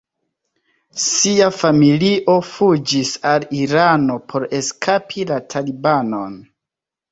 Sia familio fuĝis al Irano por eskapi la Talibanon.